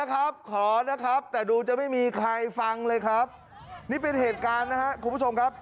ขอนะครับแต่ดูจะไม่มีใครฟังเลยครับนี่เป็นเหตุการณ์นะครับคุณผู้ชมครับ